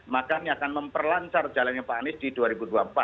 maka ini akan memperlancar jalannya pak anies di dua ribu dua puluh empat